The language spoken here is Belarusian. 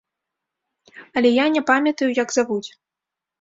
Але я не памятаю, як завуць.